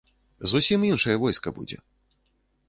Зусім іншае войска будзе.